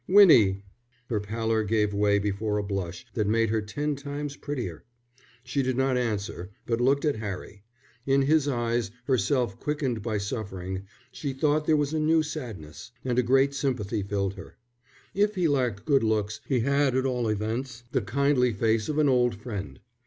"Winnie!" Her pallor gave way before a blush that made her ten times prettier. She did not answer, but looked at Harry. In his eyes, herself quickened by suffering, she thought there was a new sadness, and a great sympathy filled her. If he lacked good looks he had at all events the kindly face of an old friend.